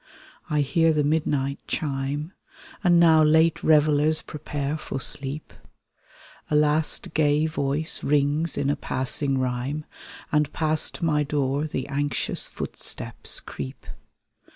I hear the midnight chime, And now late reveUers prepare for sleep; A last gay voice rings in a passing rhyme, And past my door the anxious footsteps creep.